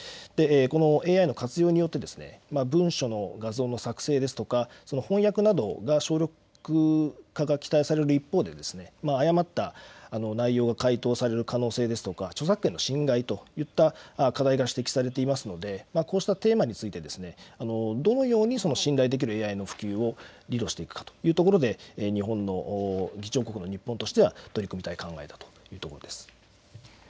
このＡＩの活用によって文書、画像の作成ですとか翻訳など省略化が期待される一方で誤った内容が回答される可能性ですとか著作権の侵害といった課題が指摘されていますのでこうしたテーマについてどのように信頼できるＡＩの普及を議論していくかということで議長国の日本としては取り組みたい考えだというところです。